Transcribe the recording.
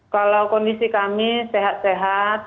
kalau kondisi kami sehat sehat